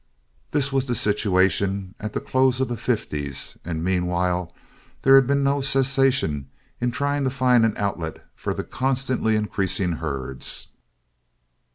This was the situation at the close of the '50's and meanwhile there had been no cessation in trying to find an outlet for the constantly increasing herds.